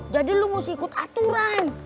jadi lu mesti ikut aturan